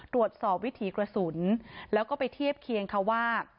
ตรวจสอบวิถีกระสุนแล้วก็ไปเทียบเคียงเขาว่า